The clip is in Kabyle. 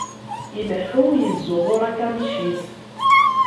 Ileḥḥu, iẓẓuɣuṛ akanic-is.